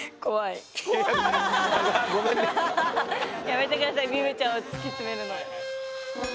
やめてくださいミムちゃんを突き詰めるのは。